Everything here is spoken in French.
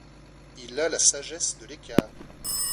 Il a la sagesse de l'écart.